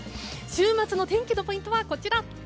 週末の天気のポイントはこちら。